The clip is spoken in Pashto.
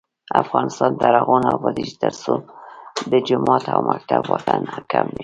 افغانستان تر هغو نه ابادیږي، ترڅو د جومات او مکتب واټن کم نشي.